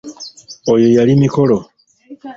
Oyo yali Mikolo.